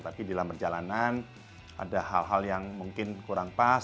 tapi dalam perjalanan ada hal hal yang mungkin kurang pas